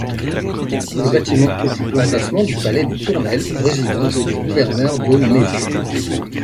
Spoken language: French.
Le bâtiment occupe l'emplacement du palais des Tournelles, résidence des gouverneurs de Mézières.